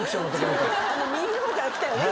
右の方から来たよね